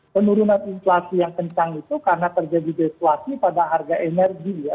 penurunan inflasi yang kencang itu karena terjadi deflasi pada harga energi ya